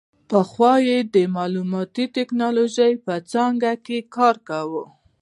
پخوا یې د معلوماتي ټیکنالوژۍ څانګه کې کار کاوه.